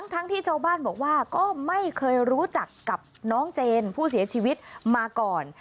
ทั้งที่ชาวบ้านบอกว่าก็ไม่เคยรู้จักกับน้องเจนผู้เสียชีวิตมาก่อน